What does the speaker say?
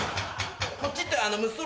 こっちって。